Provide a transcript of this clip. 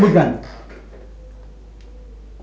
perusahaan kita terjepit